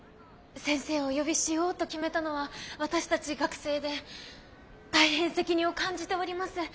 先生をお呼びしようと決めたのは私たち学生で大変責任を感じております。